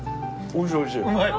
おいしいおいしい。